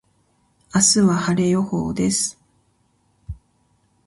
明日は晴れ予報です。